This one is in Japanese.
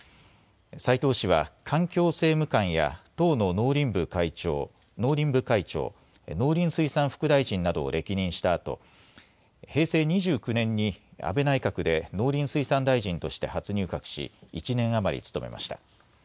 齋藤氏は、環境政務官や党の農林部会長、農林水産副大臣などを歴任したあと、平成２９年に安倍内閣で農林水産大臣として初入閣し、１年余り務めました。